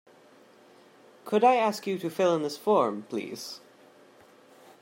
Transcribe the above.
Could I ask you to fill in this form, please?